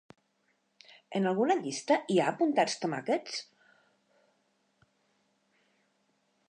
En alguna llista hi ha apuntats tomàquets?